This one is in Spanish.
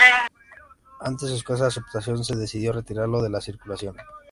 Ante su escasa aceptación, se decidió retirarlo de la circulación.